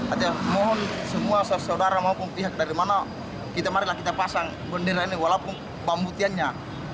artinya mohon semua saudara maupun pihak dari mana kita marilah kita pasang bendera ini walaupun bambu tianya